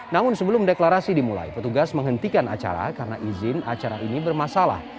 namun sebelum deklarasi dimulai petugas menghentikan acara karena izin acara ini bermasalah